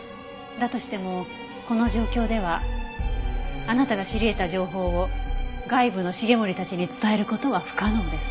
だとしてもこの状況ではあなたが知り得た情報を外部の繁森たちに伝える事は不可能です。